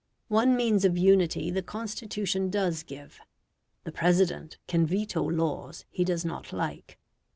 One means of unity the Constitution does give: the President can veto laws he does not like.